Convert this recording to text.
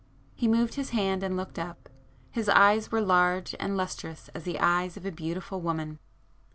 He moved his hand and looked up,—his eyes were large and lustrous as the eyes of a beautiful woman.